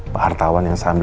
pak hartawan yang sambil